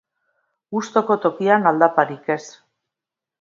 Gustuko tokian, aldaparik ez.